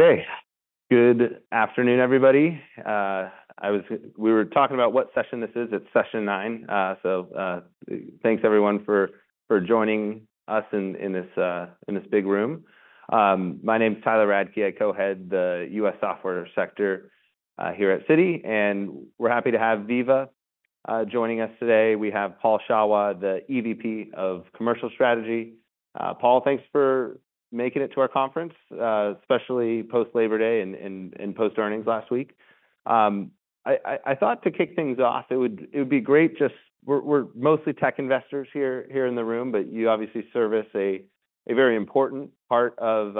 Okay, good afternoon, everybody. We were talking about what session this is. It's session nine. Thanks everyone for joining us in this big room. My name is Tyler Radke. I co-head the U.S. software sector here at Citi, and we're happy to have Veeva joining us today. We have Paul Shawah, the EVP of Commercial Strategy. Paul, thanks for making it to our conference, especially post Labor Day and post earnings last week. I thought to kick things off, it would be great. We're mostly tech investors here in the room, but you obviously service a very important part of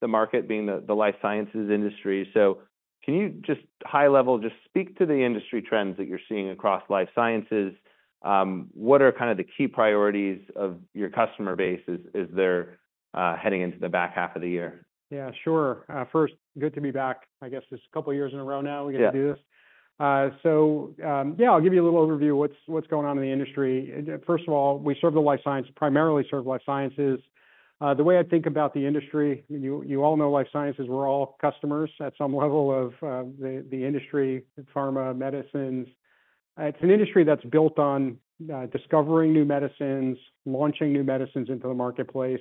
the market, being the life sciences industry. Can you just high level, just speak to the industry trends that you're seeing across life sciences? What are kind of the key priorities of your customer base as they're heading into the back half of the year? Yeah, sure. First, good to be back. I guess it's a couple of years in a row now- Yeah. We get to do this. So, yeah, I'll give you a little overview what's going on in the industry. First of all, we serve the life sciences primarily. The way I think about the industry, you all know life sciences, we're all customers at some level of the industry, pharma, medicines. It's an industry that's built on discovering new medicines, launching new medicines into the marketplace.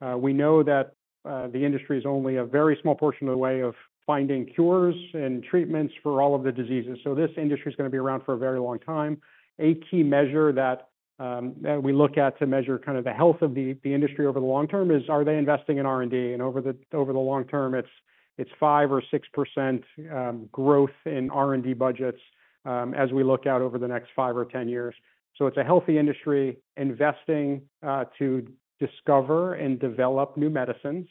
It's. We know that the industry is only a very small portion of the way of finding cures and treatments for all of the diseases, so this industry is gonna be around for a very long time. A key measure that we look at to measure kind of the health of the industry over the long term is: are they investing in R&D? Over the long term, it's 5% or 6% growth in R&D budgets as we look out over the next five or 10 years. It's a healthy industry investing to discover and develop new medicines.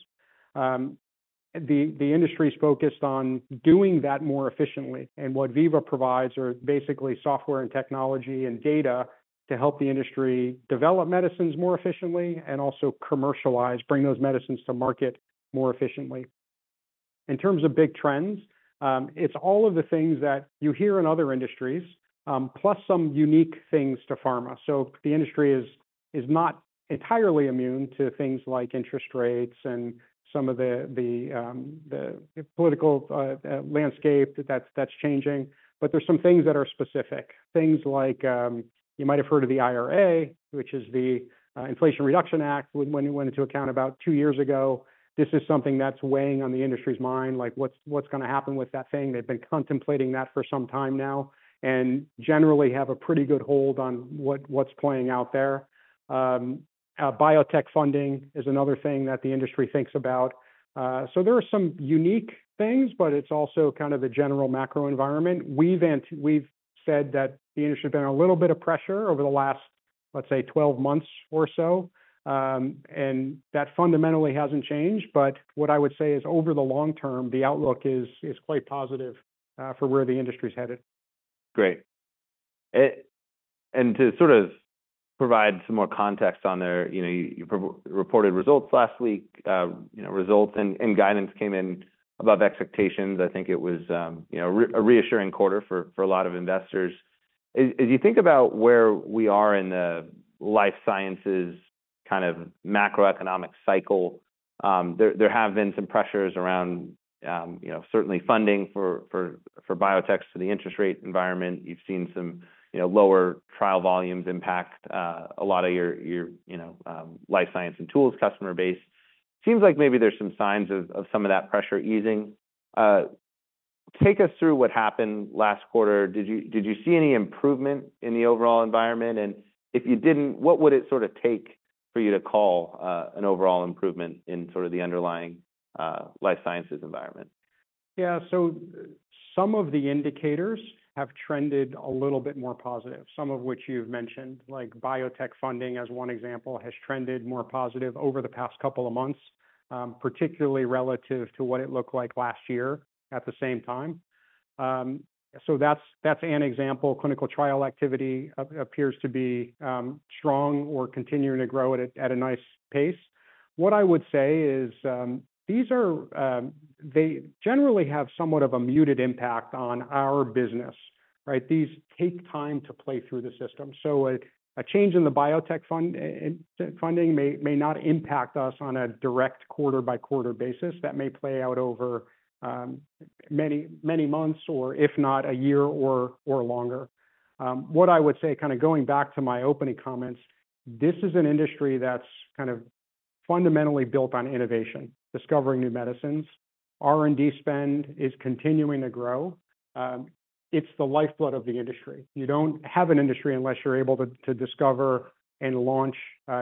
The industry is focused on doing that more efficiently, and what Veeva provides are basically software and technology and data to help the industry develop medicines more efficiently and also commercialize, bring those medicines to market more efficiently. In terms of big trends, it's all of the things that you hear in other industries, plus some unique things to pharma. The industry is not entirely immune to things like interest rates and some of the, the political landscape that's changing. But there are some things that are specific. Things like, you might have heard of the IRA, which is the Inflation Reduction Act, when it went into account about two years ago. This is something that's weighing on the industry's mind, like, what's gonna happen with that thing? They've been contemplating that for some time now, and generally have a pretty good hold on what's playing out there. Biotech funding is another thing that the industry thinks about. So there are some unique things, but it's also kind of a general macro environment. We've said that the industry has been under a little bit of pressure over the last, let's say, 12 months or so, and that fundamentally hasn't changed. But what I would say is over the long term, the outlook is quite positive, for where the industry is headed. Great. And to sort of provide some more context on there, you know, you reported results last week, you know, results and guidance came in above expectations. I think it was, you know, a reassuring quarter for a lot of investors. As you think about where we are in the life sciences kind of macroeconomic cycle, there have been some pressures around, you know, certainly funding for biotechs, for the interest rate environment. You've seen some, you know, lower trial volumes impact a lot of your, your, you know, life sciences and tools customer base. Seems like maybe there's some signs of some of that pressure easing. Take us through what happened last quarter. Did you see any improvement in the overall environment? And if you didn't, what would it sort of take for you to call an overall improvement in sort of the underlying life sciences environment? Yeah, so some of the indicators have trended a little bit more positive, some of which you've mentioned, like biotech funding, as one example, has trended more positive over the past couple of months, particularly relative to what it looked like last year at the same time. So that's, that's an example. Clinical trial activity appears to be strong or continuing to grow at a nice pace. What I would say is, these are they generally have somewhat of a muted impact on our business, right? These take time to play through the system. So a change in the biotech funding may not impact us on a direct quarter-by-quarter basis. That may play out over many, many months, or if not, a year or longer. What I would say, kind of going back to my opening comments, this is an industry that's kind of fundamentally built on innovation, discovering new medicines. R&D spend is continuing to grow. It's the lifeblood of the industry. You don't have an industry unless you're able to discover and launch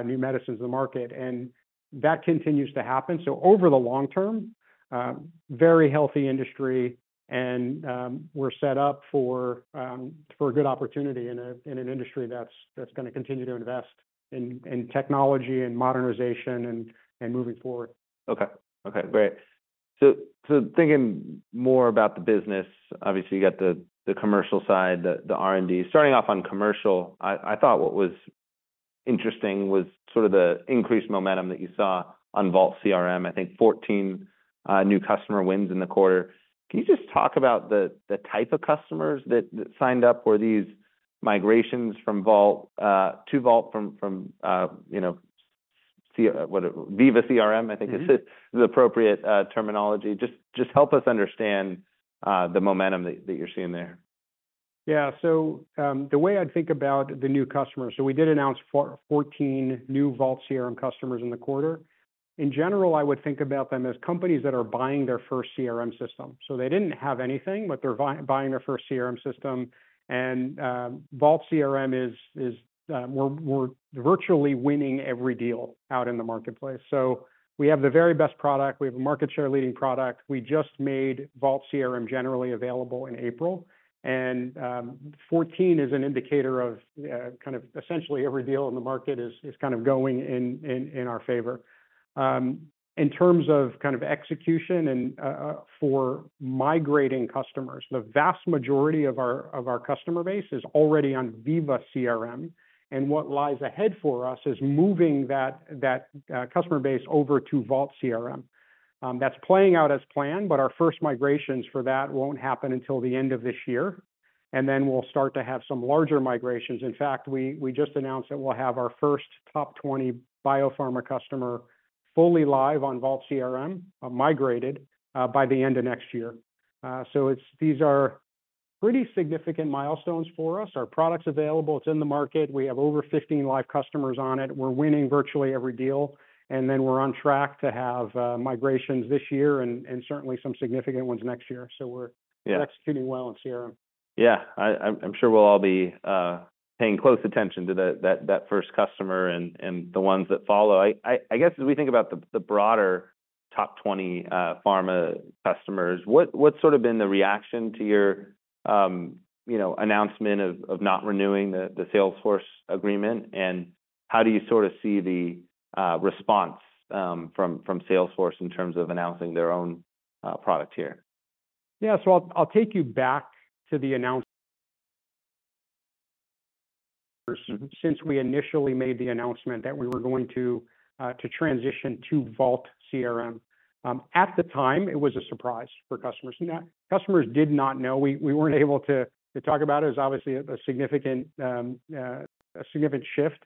new medicines in the market, and that continues to happen. So over the long term, very healthy industry, and we're set up for a good opportunity in an industry that's gonna continue to invest in technology and modernization and moving forward. Okay. Okay, great. So thinking more about the business, obviously, you got the commercial side, the R&D. Starting off on commercial, I thought what was interesting was sort of the increased momentum that you saw on Vault CRM. I think 14 new customer wins in the quarter. Can you just talk about the type of customers that signed up? Were these migrations from Veeva CRM to Vault CRM? You know, I think that is the appropriate terminology. Just help us understand the momentum that you're seeing there. Yeah. So, the way I think about the new customers, so we did announce 14 new Vault CRM customers in the quarter. In general, I would think about them as companies that are buying their first CRM system. So they didn't have anything, but they're buying their first CRM system, and Vault CRM is. We're virtually winning every deal out in the marketplace. So we have the very best product. We have a market share leading product. We just made Vault CRM generally available in April, and 14 is an indicator of essentially every deal in the market is going in our favor. In terms of kind of execution and for migrating customers, the vast majority of our customer base is already on Veeva CRM, and what lies ahead for us is moving that customer base over to Vault CRM. That's playing out as planned, but our first migrations for that won't happen until the end of this year, and then we'll start to have some larger migrations. In fact, we just announced that we'll have our first top 20 biopharma customer fully live on Vault CRM, migrated, by the end of next year. So it's these are pretty significant milestones for us. Our product's available. It's in the market. We have over 15 live customers on it. We're winning virtually every deal, and then we're on track to have migrations this year and certainly some significant ones next year. So we're- Yeah.... executing well in CRM. Yeah. I'm sure we'll all be paying close attention to that first customer and the ones that follow. I guess, as we think about the broader top 20 pharma customers, what's sort of been the reaction to your, you know, announcement of not renewing the Salesforce agreement, and how do you sorta see the response from Salesforce in terms of announcing their own product here? Yeah. So I'll take you back to the announcement, since we initially made the announcement that we were going to transition to Vault CRM. At the time, it was a surprise for customers. Customers did not know. We weren't able to talk about it. It was obviously a significant shift.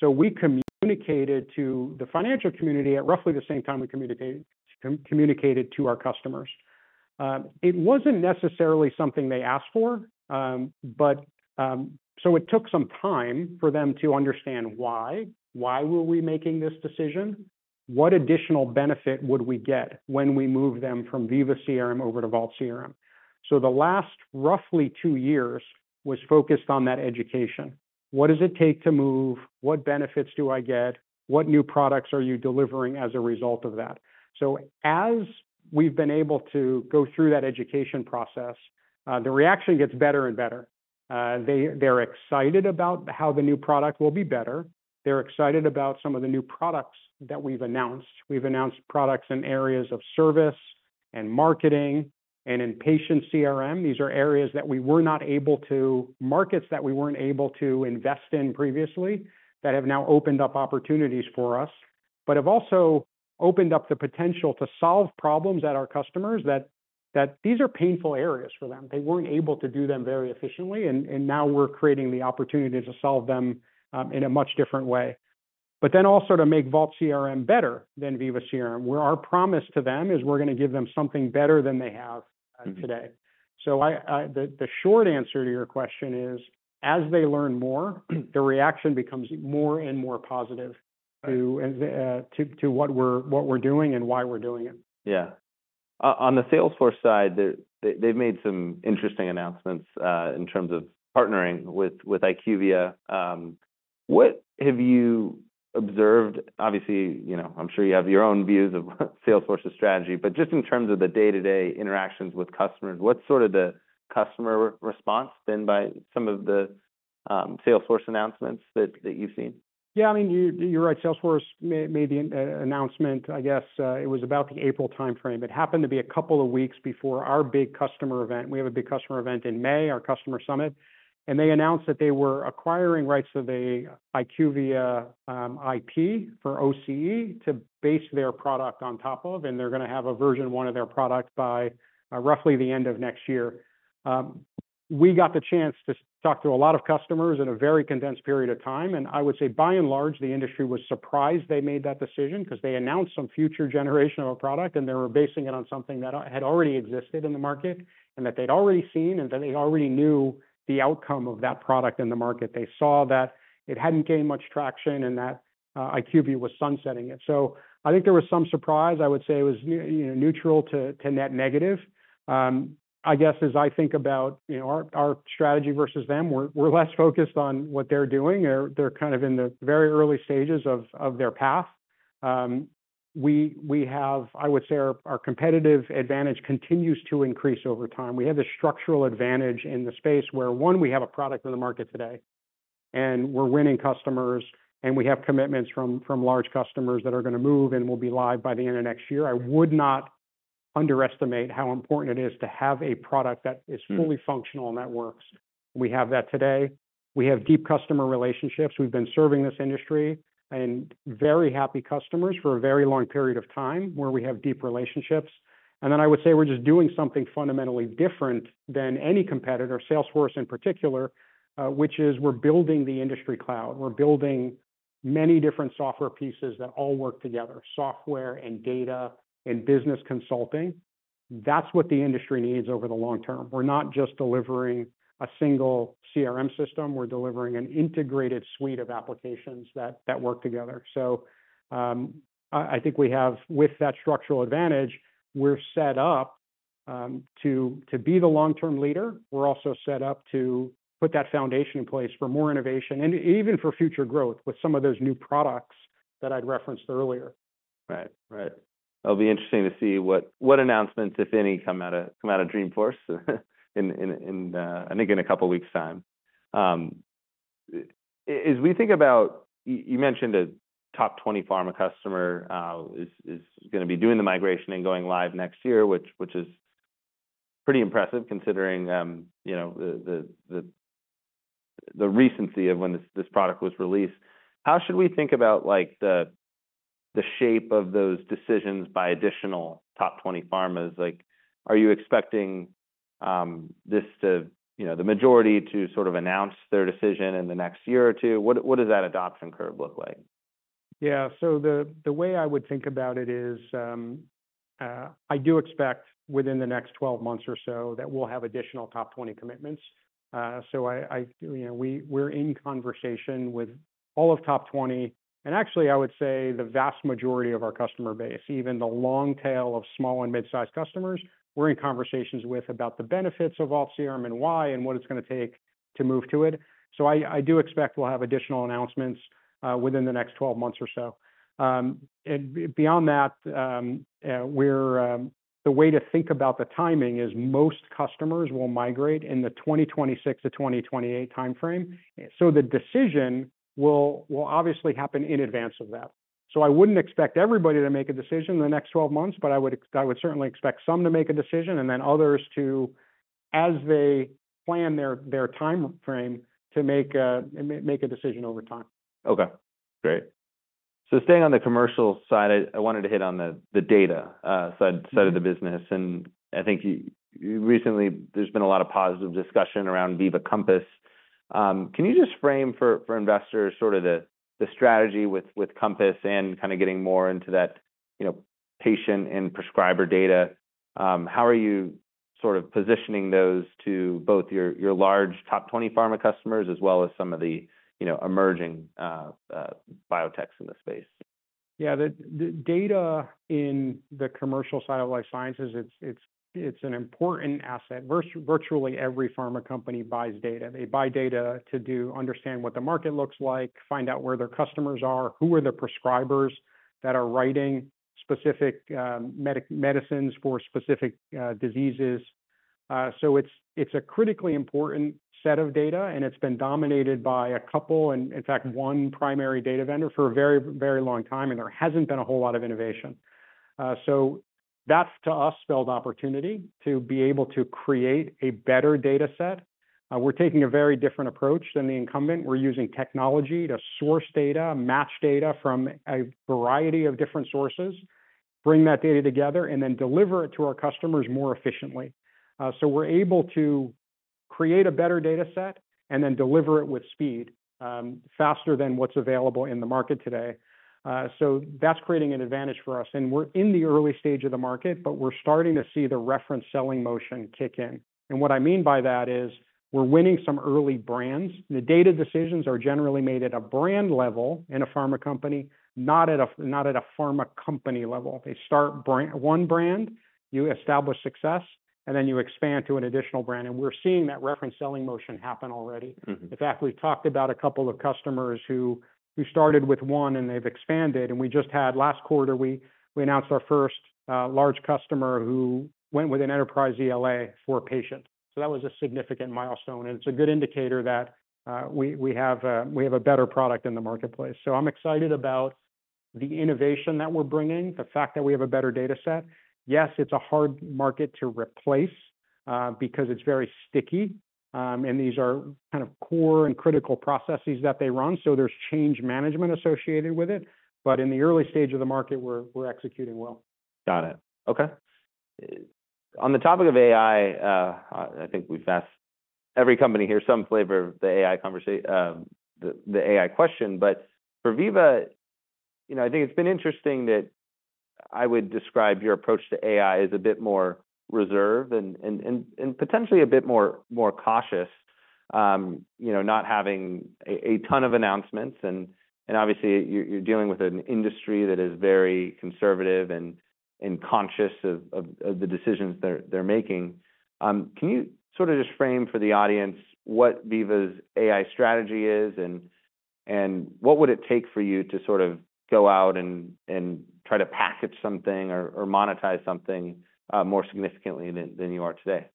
So we communicated to the financial community at roughly the same time we communicated to our customers. It wasn't necessarily something they asked for, but so it took some time for them to understand why. Why were we making this decision? What additional benefit would we get when we move them from Veeva CRM over to Vault CRM? So the last roughly two years was focused on that education. What does it take to move? What benefits do I get? What new products are you delivering as a result of that? So as we've been able to go through that education process, the reaction gets better and better. They’re excited about how the new product will be better. They're excited about some of the new products that we've announced. We've announced products in areas of service and marketing and in patient CRM. These are markets that we weren't able to invest in previously, that have now opened up opportunities for us, but have also opened up the potential to solve problems at our customers, that these are painful areas for them. They weren't able to do them very efficiently, and now we're creating the opportunity to solve them in a much different way. But then also to make Vault CRM better than Veeva CRM, where our promise to them is we're gonna give them something better than they have today. So, the short answer to your question is, as they learn more, the reaction becomes more and more positive to what we're doing and why we're doing it. Yeah. On the Salesforce side, they've made some interesting announcements in terms of partnering with IQVIA. What have you observed? Obviously, you know, I'm sure you have your own views of Salesforce's strategy, but just in terms of the day-to-day interactions with customers, what's sort of the customer response been by some of the Salesforce announcements that you've seen? Yeah, I mean, you're right. Salesforce made the announcement, I guess. It was about the April timeframe. It happened to be a couple of weeks before our big customer event. We have a big customer event in May, our customer summit, and they announced that they were acquiring rights to IQVIA IP for OCE to base their product on top of, and they're gonna have version one of their product by roughly the end of next year. We got the chance to talk to a lot of customers in a very condensed period of time, and I would say, by and large, the industry was surprised they made that decision because they announced some future generation of a product, and they were basing it on something that had already existed in the market and that they'd already seen, and that they already knew the outcome of that product in the market. They saw that it hadn't gained much traction and that IQVIA was sunsetting it. So I think there was some surprise. I would say it was, you know, neutral to net negative. I guess, as I think about, you know, our strategy versus them, we're less focused on what they're doing. They're kind of in the very early stages of their path. We have. I would say our competitive advantage continues to increase over time. We have the structural advantage in the space where, one, we have a product in the market today, and we're winning customers, and we have commitments from large customers that are gonna move and will be live by the end of next year. I would not underestimate how important it is to have a product that is fully functional and that works. We have that today. We have deep customer relationships. We've been serving this industry and very happy customers for a very long period of time, where we have deep relationships. Then I would say we're just doing something fundamentally different than any competitor, Salesforce in particular, which is we're building the industry cloud. We're building many different software pieces that all work together, software and data and business consulting. That's what the industry needs over the long term. We're not just delivering a single CRM system, we're delivering an integrated suite of applications that work together. So, I think we have, with that structural advantage, we're set up to be the long-term leader. We're also set up to put that foundation in place for more innovation and even for future growth with some of those new products that I'd referenced earlier. Right. Right. It'll be interesting to see what announcements, if any, come out of Dreamforce in a couple of weeks time. As we think about you mentioned a top 20 pharma customer is gonna be doing the migration and going live next year, which is pretty impressive considering you know the recency of when this product was released. How should we think about like the shape of those decisions by additional top 20 pharmas? Like are you expecting this to you know the majority to sort of announce their decision in the next year or two? What does that adoption curve look like? Yeah, so the way I would think about it is, I do expect within the next 12 months or so that we'll have additional top 20 commitments. So you know, we're in conversation with all of top 20, and actually, I would say the vast majority of our customer base, even the long tail of small and mid-sized customers, we're in conversations with about the benefits of Vault CRM and why, and what it's gonna take to move to it. So I do expect we'll have additional announcements within the next twelve months or so, and beyond that, the way to think about the timing is most customers will migrate in the 2026 to 2028 time frame, so the decision will obviously happen in advance of that. So I wouldn't expect everybody to make a decision in the next 12 months, but I would certainly expect some to make a decision and then others to, as they plan their time frame, to make a decision over time. Okay, great. So staying on the commercial side, I wanted to hit on the data side of the business, and I think recently there's been a lot of positive discussion around Veeva Compass. Can you just frame for investors sort of the strategy with Compass and kind of getting more into that, you know, patient and prescriber data? How are you sort of positioning those to both your large top 20 pharma customers, as well as some of the, you know, emerging biotechs in the space? Yeah, the data in the commercial side of life sciences, it's an important asset. Virtually, every pharma company buys data. They buy data to understand what the market looks like, find out where their customers are, who are the prescribers that are writing specific medicines for specific diseases. So it's a critically important set of data, and it's been dominated by a couple, and in fact, one primary data vendor for a very, very long time, and there hasn't been a whole lot of innovation. So that, to us, spelled opportunity to be able to create a better data set. We're taking a very different approach than the incumbent. We're using technology to source data, match data from a variety of different sources, bring that data together, and then deliver it to our customers more efficiently. We're able to create a better data set and then deliver it with speed, faster than what's available in the market today. That's creating an advantage for us. We're in the early stage of the market, but we're starting to see the reference selling motion kick in. What I mean by that is, we're winning some early brands. The data decisions are generally made at a brand level in a pharma company, not at a pharma company level. They start brand by brand. One brand, you establish success, and then you expand to an additional brand. We're seeing that reference selling motion happen already. Mm-hmm. In fact, we've talked about a couple of customers who started with one, and they've expanded, and we just had last quarter, we announced our first large customer who went with an enterprise ELA for a patient. So that was a significant milestone, and it's a good indicator that we have a better product in the marketplace. So I'm excited about the innovation that we're bringing, the fact that we have a better data set. Yes, it's a hard market to replace because it's very sticky, and these are kind of core and critical processes that they run, so there's change management associated with it, but in the early stage of the market, we're executing well. Got it. Okay. On the topic of AI, I think we've asked every company here some flavor of the AI question. But for Veeva, you know, I think it's been interesting that I would describe your approach to AI as a bit more reserved and potentially a bit more cautious. You know, not having a ton of announcements and obviously, you're dealing with an industry that is very conservative and conscious of the decisions they're making. Can you sort of just frame for the audience what Veeva's AI strategy is, and what would it take for you to sort of go out and try to package something or monetize something more significantly than you are today?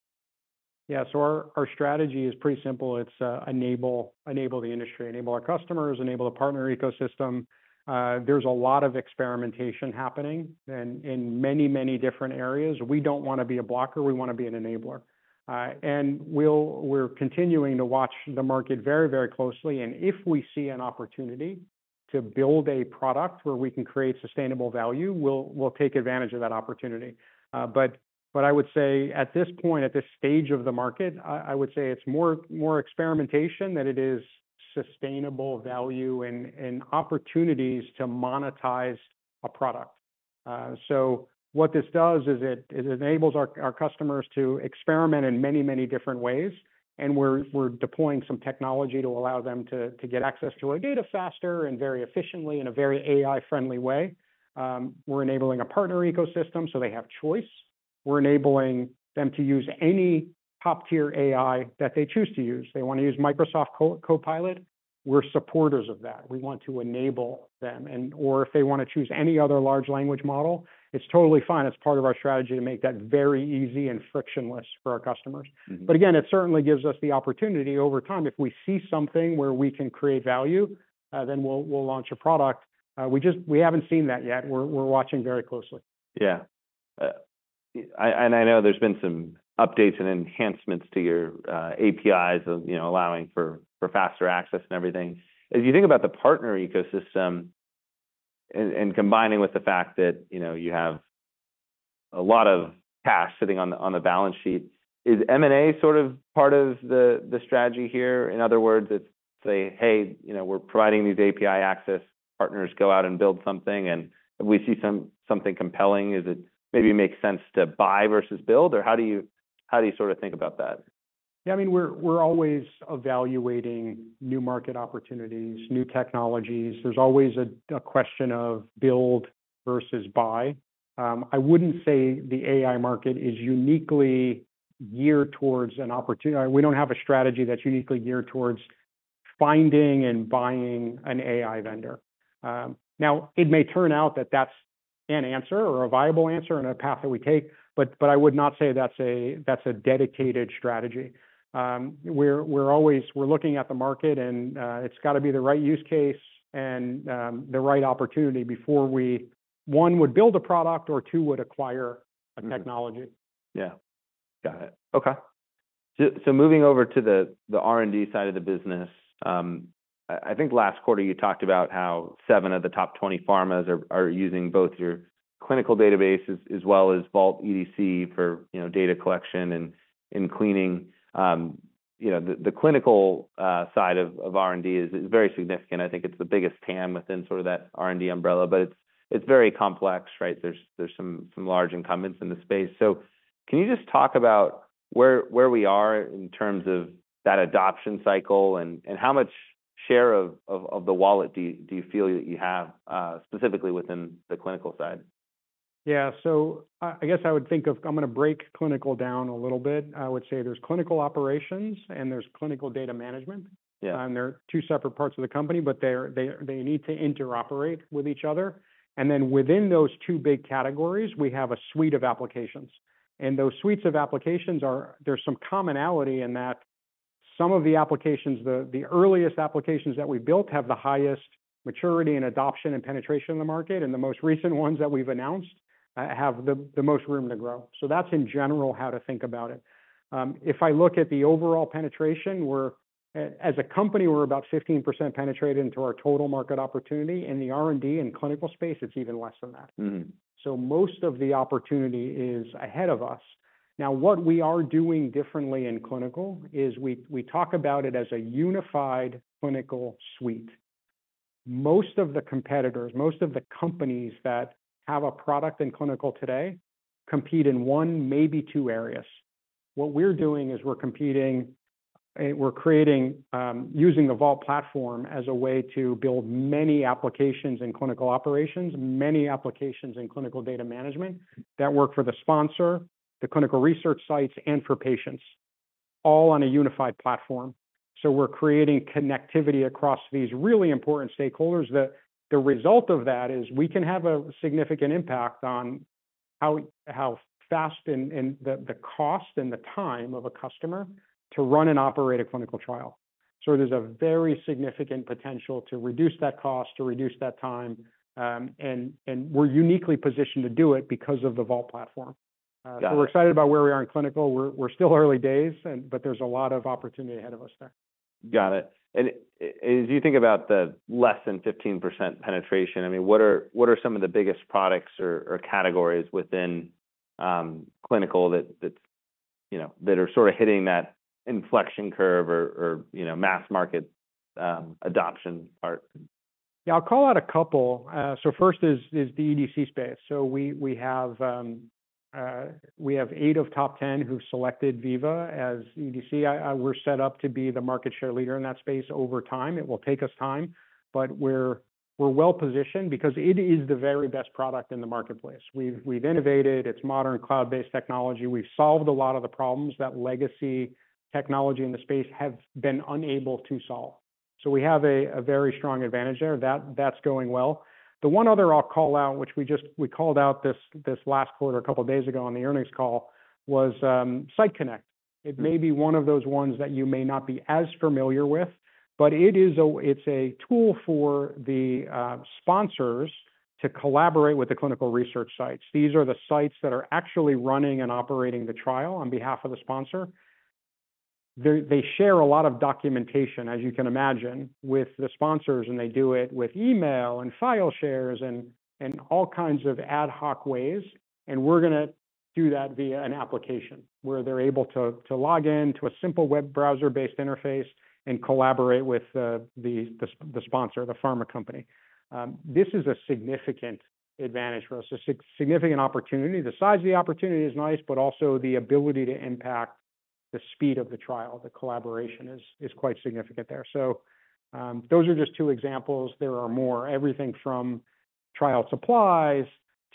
Yeah. So our strategy is pretty simple. It's enable the industry, enable our customers, enable the partner ecosystem. There's a lot of experimentation happening in many different areas. We don't want to be a blocker, we want to be an enabler. And we're continuing to watch the market very closely, and if we see an opportunity to build a product where we can create sustainable value, we'll take advantage of that opportunity. But I would say at this point, at this stage of the market, I would say it's more experimentation than it is sustainable value and opportunities to monetize a product. So what this does is it enables our customers to experiment in many different ways, and we're deploying some technology to allow them to get access to our data faster and very efficiently in a very AI-friendly way. We're enabling a partner ecosystem, so they have choice. We're enabling them to use any top-tier AI that they choose to use. They wanna use Microsoft Copilot, we're supporters of that. We want to enable them, and or if they wanna choose any other large language model, it's totally fine. It's part of our strategy to make that very easy and frictionless for our customers. Mm-hmm. But again, it certainly gives us the opportunity over time, if we see something where we can create value, then we'll launch a product. We just haven't seen that yet. We're watching very closely. Yeah. And I know there's been some updates and enhancements to your APIs, and you know, allowing for faster access and everything. As you think about the partner ecosystem and combining with the fact that you know, you have a lot of cash sitting on the balance sheet, is M&A sort of part of the strategy here? In other words, it's say, "Hey, you know, we're providing these API access partners, go out and build something," and if we see something compelling, is it maybe makes sense to buy versus build? Or how do you sort of think about that? Yeah, I mean, we're always evaluating new market opportunities, new technologies. There's always a question of build versus buy. I wouldn't say the AI market is uniquely geared towards an opportunity. We don't have a strategy that's uniquely geared towards finding and buying an AI vendor. Now, it may turn out that that's an answer or a viable answer and a path that we take, but I would not say that's a dedicated strategy. We're always looking at the market and it's gotta be the right use case and the right opportunity before we, one, would build a product, or two, would acquire a technology. Mm-hmm. Yeah. Got it. Okay. So moving over to the R&D side of the business, I think last quarter you talked about how seven of the top 20 pharmas are using both your clinical databases as well as Vault EDC for, you know, data collection and cleaning. You know, the clinical side of R&D is very significant. I think it's the biggest TAM within sort of that R&D umbrella, but it's very complex, right? There's some large incumbents in the space. So can you just talk about where we are in terms of that adoption cycle and how much share of the wallet do you feel that you have, specifically within the clinical side? Yeah, so I guess I would think of. I'm gonna break clinical down a little bit. I would say there's clinical operations, and there's clinical data management. Yeah. They're two separate parts of the company, but they need to interoperate with each other. Then within those two big categories, we have a suite of applications, and those suites of applications, there's some commonality in that some of the applications, the earliest applications that we built, have the highest maturity and adoption and penetration in the market, and the most recent ones that we've announced have the most room to grow. That's in general how to think about it. If I look at the overall penetration, we're, as a company, about 15% penetrated into our total market opportunity. In the R&D and clinical space, it's even less than that. Mm-hmm. So most of the opportunity is ahead of us. Now, what we are doing differently in clinical is we talk about it as a unified clinical suite. Most of the competitors, most of the companies that have a product in clinical today, compete in one, maybe two areas. What we're doing is we're competing, and we're creating, using the Vault Platform as a way to build many applications in clinical operations, many applications in clinical data management that work for the sponsor, the clinical research sites, and for patients, all on a unified platform. So we're creating connectivity across these really important stakeholders, that the result of that is we can have a significant impact on how fast and the cost and the time of a customer to run and operate a clinical trial. So there's a very significant potential to reduce that cost, to reduce that time, and we're uniquely positioned to do it because of the Vault Platform. Got it. So we're excited about where we are in clinical. We're still early days, and but there's a lot of opportunity ahead of us there. Got it. And as you think about the less than 15% penetration, I mean, what are some of the biggest products or categories within clinical that you know that are sort of hitting that inflection curve or you know mass market adoption part? Yeah, I'll call out a couple. So first is the EDC space. So we have eight of top ten who selected Veeva as EDC. We're set up to be the market share leader in that space over time. It will take us time, but we're well positioned because it is the very best product in the marketplace. We've innovated. It's modern cloud-based technology. We've solved a lot of the problems that legacy technology in the space have been unable to solve. So we have a very strong advantage there. That's going well. The one other I'll call out, which we just called out this last quarter, a couple of days ago on the earnings call, was Site Connect. It may be one of those ones that you may not be as familiar with, but it is a tool for the sponsors to collaborate with the clinical research sites. These are the sites that are actually running and operating the trial on behalf of the sponsor. They share a lot of documentation, as you can imagine, with the sponsors, and they do it with email and file shares and all kinds of ad hoc ways. And we're gonna do that via an application, where they're able to log in to a simple web browser-based interface and collaborate with the sponsor, the pharma company. This is a significant advantage for us, a significant opportunity. The size of the opportunity is nice, but also the ability to impact the speed of the trial, the collaboration is quite significant there. So, those are just two examples. There are more, everything from trial supplies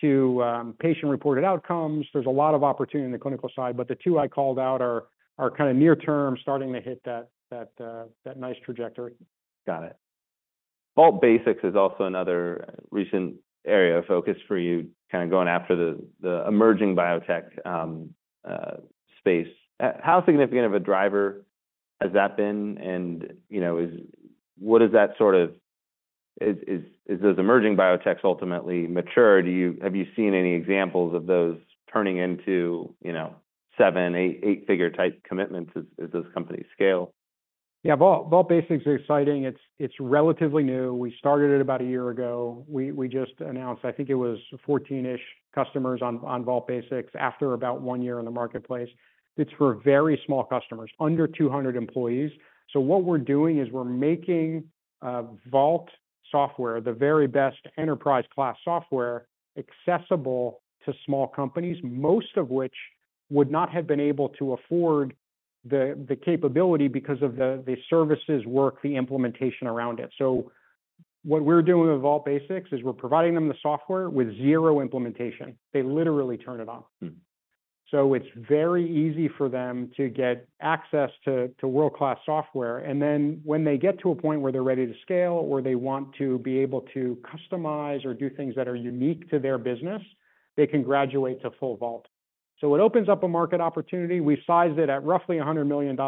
to, patient-reported outcomes. There's a lot of opportunity on the clinical side, but the two I called out are kind of near term, starting to hit that nice trajectory. Got it. Vault Basics is also another recent area of focus for you, kind of going after the emerging biotech space. How significant of a driver has that been? And, you know, what does that sort of... Is, as those emerging biotechs ultimately mature, have you seen any examples of those turning into, you know, seven, eight-figure type commitments as those companies scale? Yeah, Vault Basics are exciting. It's relatively new. We started it about a year ago. We just announced, I think it was fourteen-ish customers on Vault Basics after about one year in the marketplace. It's for very small customers, under 200 employees. So what we're doing is we're making Vault software, the very best enterprise-class software, accessible to small companies, most of which would not have been able to afford the capability because of the services work, the implementation around it. So what we're doing with Vault Basics is we're providing them the software with zero implementation. They literally turn it on. Mm. So it's very easy for them to get access to world-class software, and then when they get to a point where they're ready to scale or they want to be able to customize or do things that are unique to their business, they can graduate to full Vault. So it opens up a market opportunity. We sized it at roughly a $100 million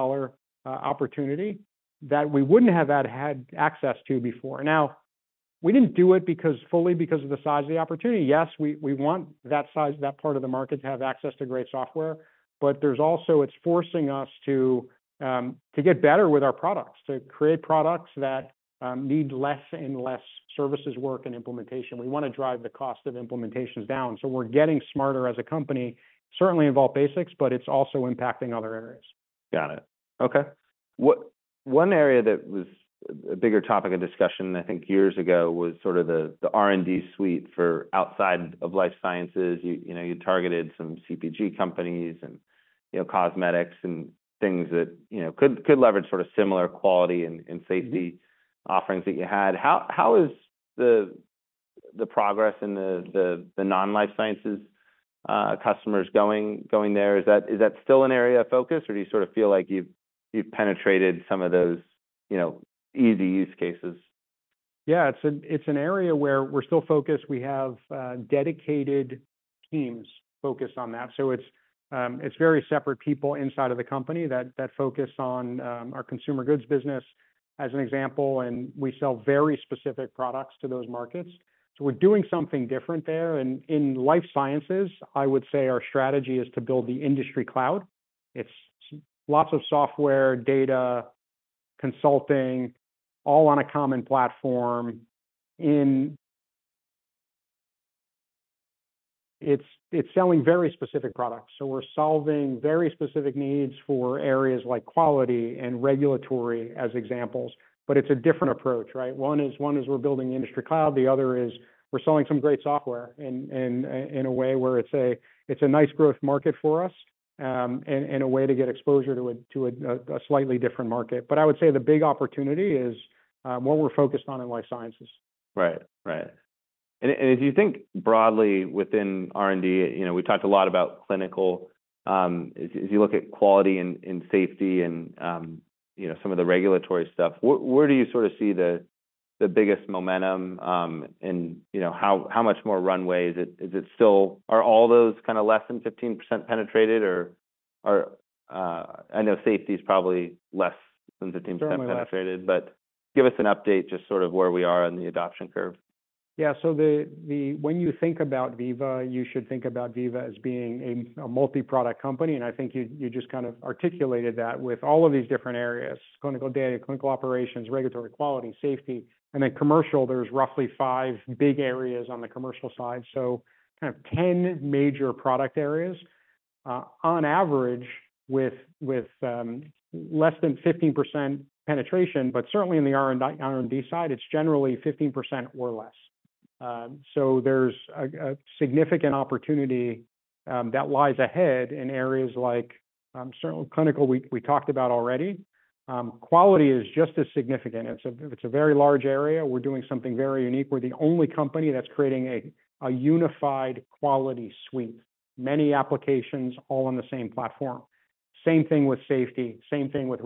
opportunity that we wouldn't have had access to before. Now, we didn't do it because fully because of the size of the opportunity. Yes, we want that size, that part of the market to have access to great software, but there's also. It's forcing us to get better with our products, to create products that need less and less services work and implementation. We wanna drive the cost of implementations down, so we're getting smarter as a company, certainly in Vault Basics, but it's also impacting other areas. Got it. Okay. One area that was a bigger topic of discussion, I think, years ago, was sort of the R&D suite for outside of life sciences. You know, you targeted some CPG companies and, you know, cosmetics and things that, you know, could leverage sort of similar quality and safety offerings that you had. How is the progress in the non-life sciences customers going there? Is that still an area of focus, or do you sort of feel like you've penetrated some of those, you know, easy use cases? Yeah, it's an area where we're still focused. We have dedicated teams focused on that. So it's very separate people inside of the company that focus on our consumer goods business, as an example, and we sell very specific products to those markets. So we're doing something different there. And in life sciences, I would say our strategy is to build the industry cloud. It's lots of software, data, consulting, all on a common platform. It's selling very specific products, so we're solving very specific needs for areas like quality and regulatory, as examples, but it's a different approach, right? One is we're building the industry cloud, the other is we're selling some great software in a way where it's a nice growth market for us, and a way to get exposure to a slightly different market. But I would say the big opportunity is what we're focused on in life sciences. Right. Right. And if you think broadly within R&D, you know, we talked a lot about clinical. As you look at quality and safety and, you know, some of the regulatory stuff, where do you sort of see the biggest momentum? And, you know, how much more runway is it? Is it still? Are all those kind of less than 15% penetrated or are? I know safety is probably less than 15% penetrated. Certainly less. But give us an update, just sort of where we are on the adoption curve? Yeah, so when you think about Veeva, you should think about Veeva as being a multi-product company, and I think you just kind of articulated that with all of these different areas: clinical data, clinical operations, regulatory, quality, safety. And then commercial, there's roughly five big areas on the commercial side, so kind of 10 major product areas. On average, with less than 15% penetration, but certainly in the R&D side, it's generally 15% or less. So there's a significant opportunity that lies ahead in areas like clinical, we talked about already. Quality is just as significant. It's a very large area. We're doing something very unique. We're the only company that's creating a unified quality suite, many applications all on the same platform. Same thing with safety, same thing with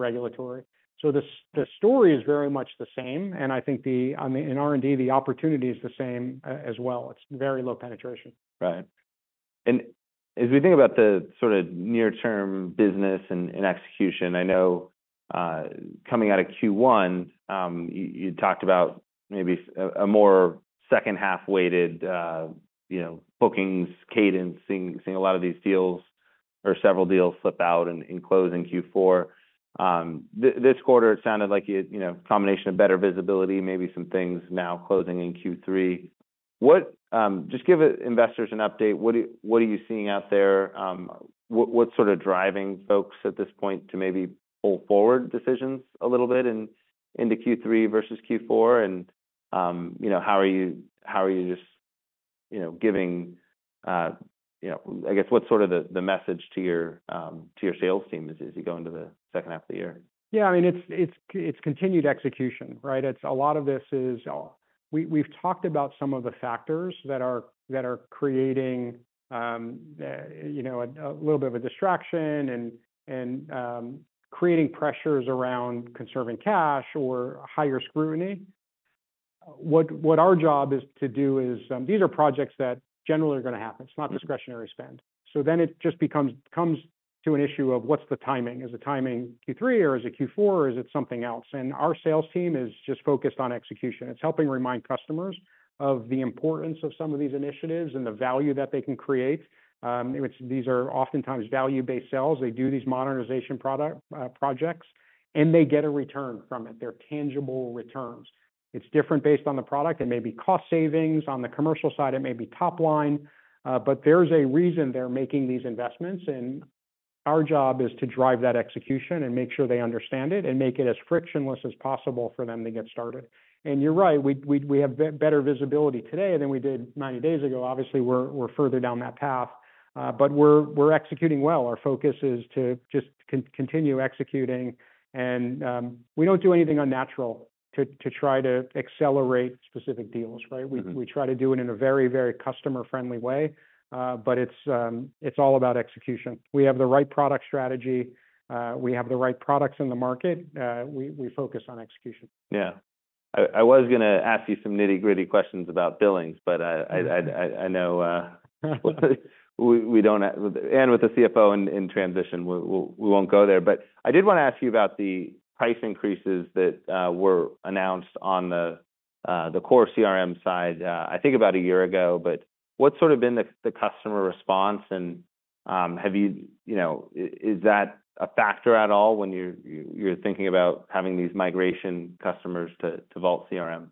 regulatory. So the story is very much the same, and I think the, in R&D, the opportunity is the same as well. It's very low penetration. Right. And as we think about the sort of near-term business and execution, coming out of Q1, you talked about maybe a more second half weighted, you know, bookings cadence, seeing a lot of these deals or several deals slip out and close in Q4. This quarter, it sounded like you know, a combination of better visibility, maybe some things now closing in Q3. What. Just give investors an update, what are you seeing out there? What, what's sort of driving folks at this point to maybe pull forward decisions a little bit into Q3 versus Q4? You know, how are you just, you know, giving, you know, I guess, what's sort of the message to your sales team as you go into the second half of the year? Yeah, I mean, it's continued execution, right? It's a lot of this is, we've talked about some of the factors that are creating, you know, a little bit of a distraction and creating pressures around conserving cash or higher scrutiny. What our job is to do is, these are projects that generally are going to happen. It's not discretionary spend. So then it just comes to an issue of what's the timing? Is the timing Q3 or is it Q4, or is it something else? And our sales team is just focused on execution. It's helping remind customers of the importance of some of these initiatives and the value that they can create. Which these are oftentimes value-based sales. They do these modernization product projects, and they get a return from it. They're tangible returns. It's different based on the product. It may be cost savings. On the commercial side, it may be top line, but there's a reason they're making these investments, and our job is to drive that execution and make sure they understand it and make it as frictionless as possible for them to get started. And you're right, we have better visibility today than we did ninety days ago. Obviously, we're further down that path, but we're executing well. Our focus is to just continue executing. And we don't do anything unnatural to try to accelerate specific deals, right? Mm-hmm. We try to do it in a very, very customer-friendly way, but it's all about execution. We have the right product strategy. We have the right products in the market. We focus on execution. Yeah. I was going to ask you some nitty-gritty questions about billings, but. Mm-hmm. I know we don't have – and with the CFO in transition, we won't go there. But I did want to ask you about the price increases that were announced on the core CRM side, I think about a year ago. But what's sort of been the customer response, and have you – you know, is that a factor at all when you're thinking about having these migration customers to Vault CRM?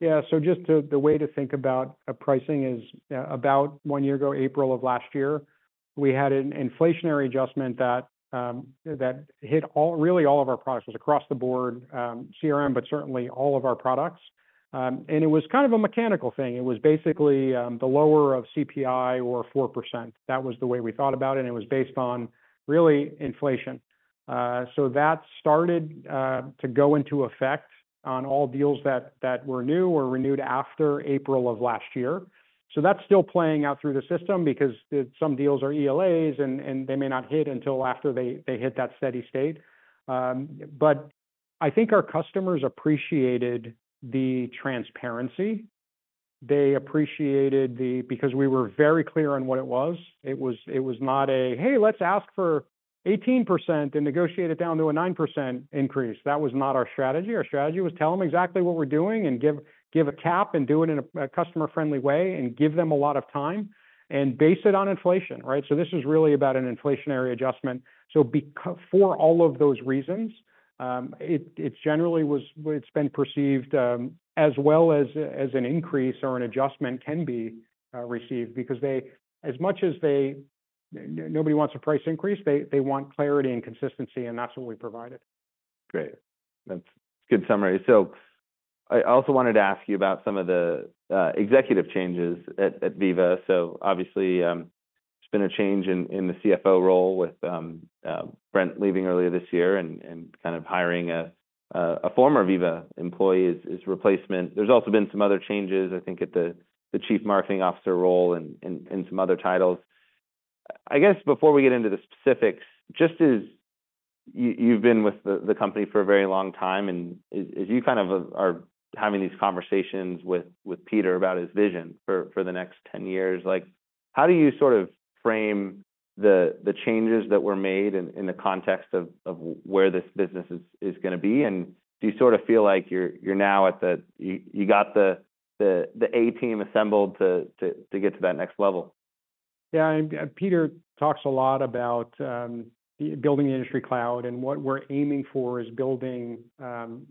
Yeah. So just to, the way to think about a pricing is, about one year ago, April of last year, we had an inflationary adjustment that that hit all- really all of our products. It was across the board, CRM, but certainly all of our products. And it was kind of a mechanical thing. It was basically, the lower of CPI or 4%. That was the way we thought about it, and it was based on really inflation. So that started, to go into effect on all deals that that were new or renewed after April of last year. So that's still playing out through the system because some deals are ELAs, and they may not hit until after they hit that steady state. But I think our customers appreciated the transparency. They appreciated because we were very clear on what it was. It was not a, "Hey, let's ask for 18% and negotiate it down to a 9% increase." That was not our strategy. Our strategy was tell them exactly what we're doing and give a cap, and do it in a customer-friendly way, and give them a lot of time, and base it on inflation, right? So this is really about an inflationary adjustment. So for all of those reasons, it generally was. It's been perceived as well as an increase or an adjustment can be received. Because they as much as they... Nobody wants a price increase, they want clarity and consistency, and that's what we provided. Great. That's good summary. So I also wanted to ask you about some of the executive changes at Veeva. So obviously, there's been a change in the CFO role with Brent leaving earlier this year and kind of hiring a former Veeva employee as his replacement. There's also been some other changes, I think, at the chief marketing officer role and some other titles. I guess before we get into the specifics, just as you've been with the company for a very long time, and as you kind of are having these conversations with Peter about his vision for the next ten years, like, how do you sort of frame the changes that were made in the context of where this business is gonna be? Do you sort of feel like you're now at the, you got the A team assembled to get to that next level? Yeah. Peter talks a lot about building the industry cloud, and what we're aiming for is building an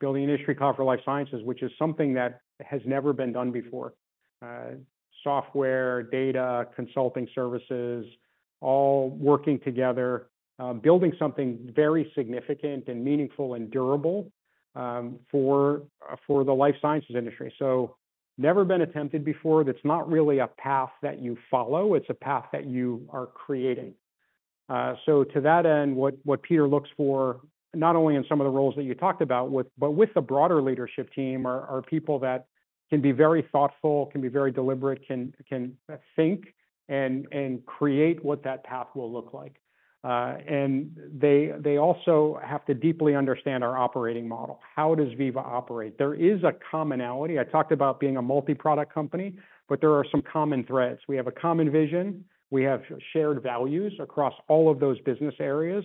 industry cloud for life sciences, which is something that has never been done before. Software, data, consulting services, all working together, building something very significant and meaningful and durable for the life sciences industry. So never been attempted before. That's not really a path that you follow, it's a path that you are creating. So to that end, what Peter looks for, not only in some of the roles that you talked about but with the broader leadership team, are people that can be very thoughtful, can be very deliberate, can think and create what that path will look like. And they also have to deeply understand our operating model. How does Veeva operate? There is a commonality. I talked about being a multi-product company, but there are some common threads. We have a common vision, we have shared values across all of those business areas,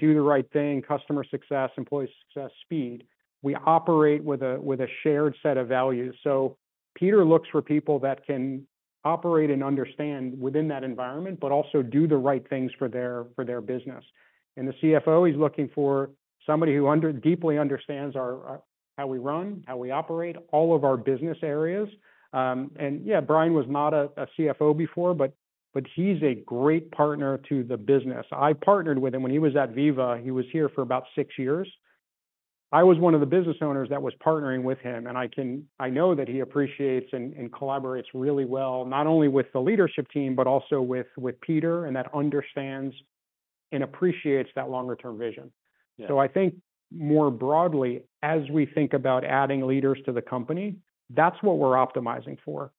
do the right thing, customer success, employee success, speed. We operate with a shared set of values. So Peter looks for people that can operate and understand within that environment, but also do the right things for their business, and the CFO, he's looking for somebody who deeply understands how we run, how we operate, all of our business areas, and yeah, Brian was not a CFO before, but he's a great partner to the business. I partnered with him when he was at Veeva. He was here for about six years. I was one of the business owners that was partnering with him, and I know that he appreciates and collaborates really well, not only with the leadership team, but also with Peter, and that understands and appreciates that long-term vision. Yeah. So I think more broadly, as we think about adding leaders to the company, that's what we're optimizing for: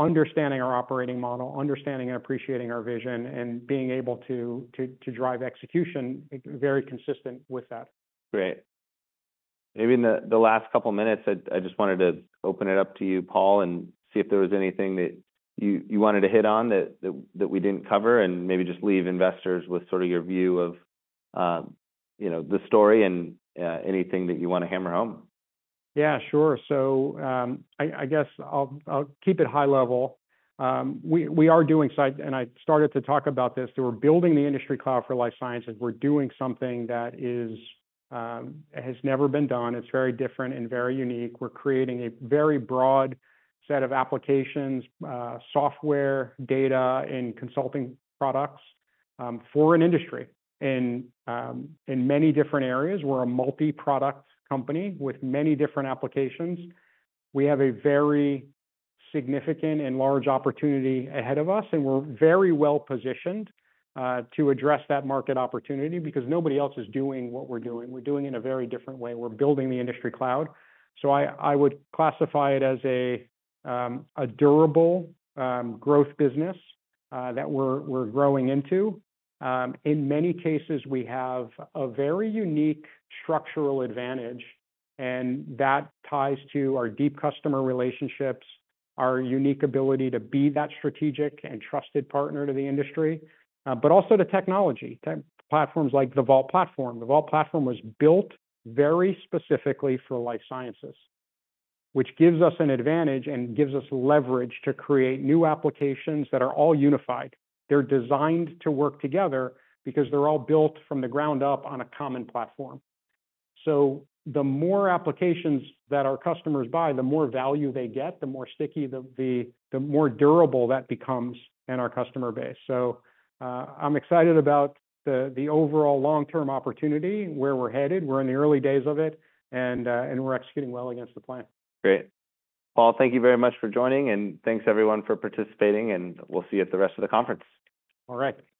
understanding our operating model, understanding and appreciating our vision, and being able to drive execution, very consistent with that. Great. Maybe in the last couple minutes, I just wanted to open it up to you, Paul, and see if there was anything that you wanted to hit on that we didn't cover, and maybe just leave investors with sort of your view of, you know, the story and anything that you want to hammer home. Yeah, sure. So, I guess I'll keep it high level. We are, and I started to talk about this, that we're building the industry cloud for life sciences. We're doing something that is, has never been done. It's very different and very unique. We're creating a very broad set of applications, software, data, and consulting products, for an industry in, in many different areas. We're a multi-product company with many different applications. We have a very significant and large opportunity ahead of us, and we're very well positioned, to address that market opportunity because nobody else is doing what we're doing. We're doing it in a very different way. We're building the industry cloud. So I would classify it as a, a durable, growth business, that we're growing into. In many cases, we have a very unique structural advantage, and that ties to our deep customer relationships, our unique ability to be that strategic and trusted partner to the industry, but also the technology. Platforms like the Vault Platform. The Vault Platform was built very specifically for life sciences, which gives us an advantage and gives us leverage to create new applications that are all unified. They're designed to work together because they're all built from the ground up on a common platform. So the more applications that our customers buy, the more value they get, the more sticky, the more durable that becomes in our customer base. So, I'm excited about the overall long-term opportunity, where we're headed. We're in the early days of it, and we're executing well against the plan. Great. Paul, thank you very much for joining, and thanks everyone for participating, and we'll see you at the rest of the conference. All right.